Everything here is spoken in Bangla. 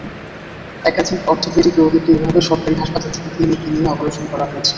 একাধিক অর্থোপেডিক রোগীকে এভাবে সরকারি হাসপাতাল থেকে ক্লিনিকে নিয়ে অপারেশন করা হয়েছে।